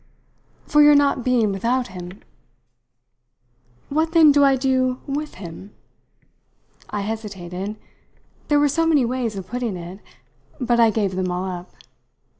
"For your not being without him." "What then do I do with him?" I hesitated there were so many ways of putting it; but I gave them all up.